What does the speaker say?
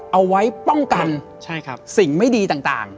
เอาไว้ป้องกันสิ่งไม่ดีต่าง